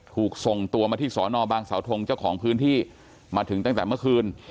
ถูกส่งตัวมาที่สอนอบางสาวทงเจ้าของพื้นที่มาถึงตั้งแต่เมื่อคืน